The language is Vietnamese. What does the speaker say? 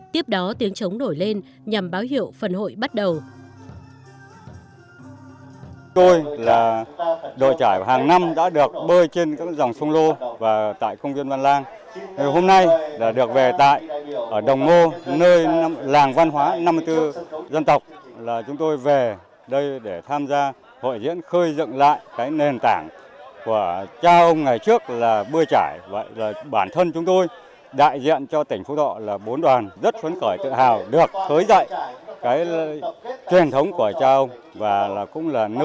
tiếp đó tiếng trống nổi lên nhằm báo hiệu phần hội bắt đầu